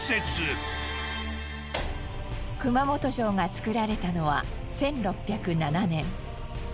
熊本城が造られたのは１６０７年。